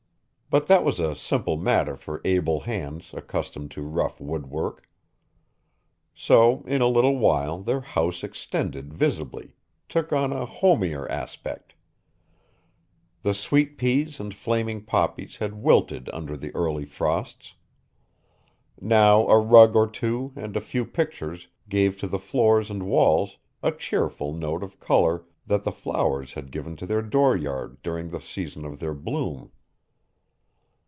But that was a simple matter for able hands accustomed to rough woodwork. So in a little while their house extended visibly, took on a homier aspect. The sweet peas and flaming poppies had wilted under the early frosts. Now a rug or two and a few pictures gave to the floors and walls a cheerful note of color that the flowers had given to their dooryard during the season of their bloom.